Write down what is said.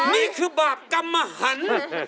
นี่คือบาปกรรมหัน